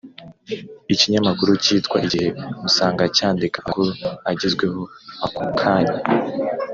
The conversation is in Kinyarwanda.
Ikinyamakuru kitwa igihe usanga cyandika amakuru agezweho akokanya